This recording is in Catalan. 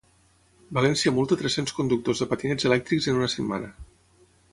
València multa tres-cents conductors de patinets elèctrics en una setmana.